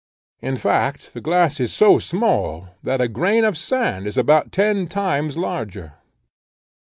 In fact, the glass is so small, that a grain of sand is about ten times larger.